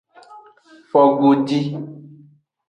Fogodi.